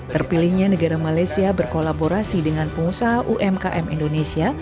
terpilihnya negara malaysia berkolaborasi dengan pengusaha umkm indonesia